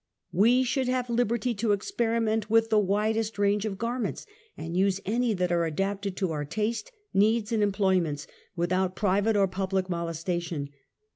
We should have liberty to experiment with the widest range of garments, and use any that are adapted to our taste, needs and employments, without private or public molestation.